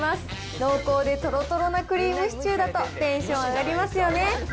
濃厚でとろとろなクリームシチューだと、テンション上がりますよ